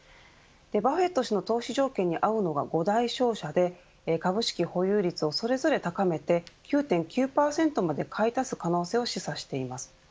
バフェット氏の投資条件に合うのが５大商社で株式保有率をそれぞれ高めて９．９％まで買い足す可能性を示唆しています。